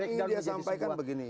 yang ingin dia sampaikan begini